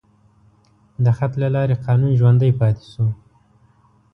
د خط له لارې قانون ژوندی پاتې شو.